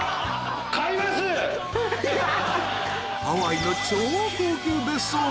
［ハワイの超高級別荘爆買い］